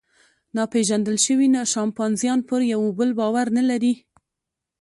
ناپېژندل شوي شامپانزیان پر یوه بل باور نهلري.